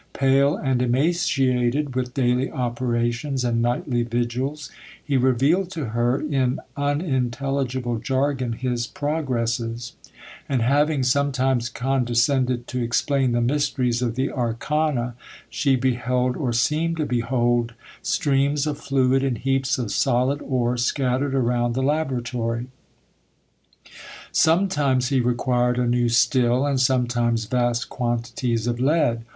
Pale and emaciated with daily operations and nightly vigils, he revealed to her, in unintelligible jargon, his progresses; and having sometimes condescended to explain the mysteries of the arcana, she beheld, or seemed to behold, streams of fluid and heaps of solid ore scattered around the laboratory. Sometimes he required a new still, and sometimes vast quantities of lead.